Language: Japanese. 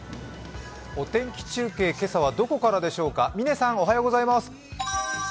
お天気中継、今朝はどこからでしょうか。